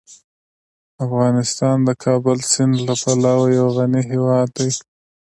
افغانستان د کابل سیند له پلوه یو غني هیواد دی.